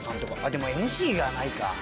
でもＭＣやらないか。